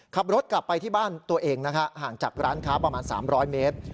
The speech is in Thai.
ขับรถกลับไปที่บ้านตัวเองนะฮะห่างจากร้านค้าประมาณ๓๐๐เมตร